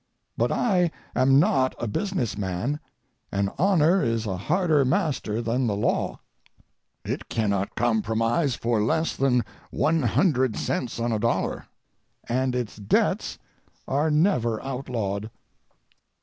But I am not a business man, and honor is a harder master than the law. It cannot compromise for less than one hundred cents on a dollar, and its debts are never outlawed.